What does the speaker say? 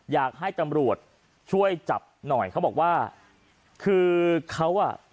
อยากให้ตำรวจช่วยจับหน่อยเขาบอกว่าคือเขาอ่ะ